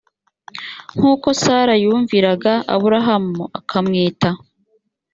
nkuko sara yumviraga aburahamu akamwita